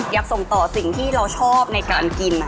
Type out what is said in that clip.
อยากส่งต่อสิ่งที่เราชอบในการกิน